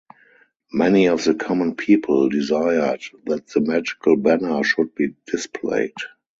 Many of the common people desired that the magical banner should be displayed.